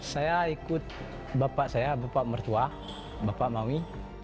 saya ikut bapak saya bapak mertua bapak maui